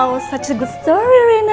wow cerita yang bagus rena